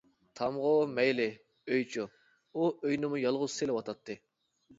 تامغۇ مەيلى، ئۆيچۇ؟ ئۇ ئۆينىمۇ يالغۇز سېلىۋاتاتتى.